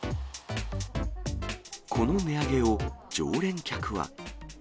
この値上げを、常連客は。